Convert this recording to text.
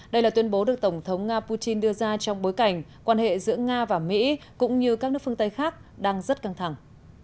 đây là tuyên bố được tổng thống nga putin đưa ra trong bối cảnh quan hệ giữa nga và mỹ cũng như các nước phương tây khác đang rất căng thẳng